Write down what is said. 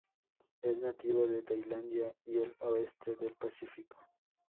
Es nativo de Tailandia y el oeste del Pacífico.